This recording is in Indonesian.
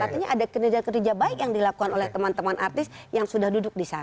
artinya ada kinerja kinerja baik yang dilakukan oleh teman teman artis yang sudah duduk di sana